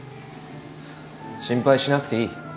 心配しなくていい。